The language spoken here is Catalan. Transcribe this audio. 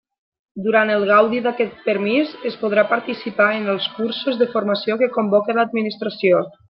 Durant el gaudi d'aquest permís es podrà participar en els cursos de formació que convoque l'Administració.